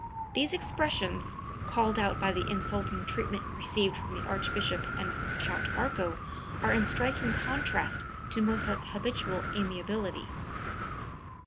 These expressions, called out by the insulting treatment received from the Archbishop and Count Arco, are in striking contrast to Mozart's habitual amiability.)